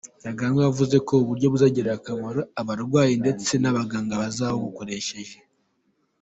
Ntaganda yavuze ko ubu buryo buzagirira akamaro abarwayi ndetse n’abaganga bazaba babukoresha.